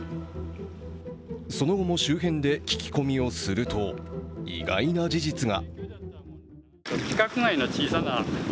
その後も、周辺で聞き込みをすると意外な事実が。